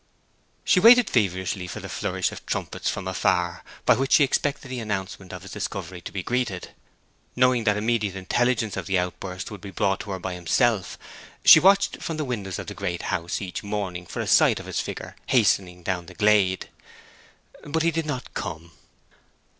She waited feverishly for the flourish of trumpets from afar, by which she expected the announcement of his discovery to be greeted. Knowing that immediate intelligence of the outburst would be brought to her by himself, she watched from the windows of the Great House each morning for a sight of his figure hastening down the glade. But he did not come.